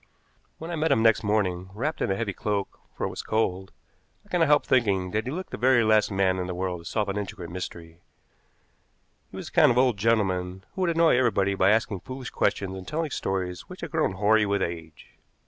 When I met him next morning, wrapped in a heavy cloak, for it was cold, I could not help thinking that he looked the very last man in the world to solve an intricate mystery. He was the kind of old gentleman who would annoy everybody by asking foolish questions and telling stories which had grown hoary with age.